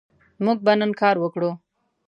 موږ به نن کار وکړو